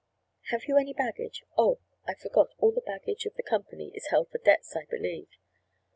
Have you any baggage—Oh, I forgot, all the baggage of the company is held for debts, I believe."